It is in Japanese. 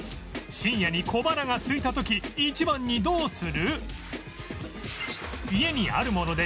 深夜に小腹がすいた時一番にどうする？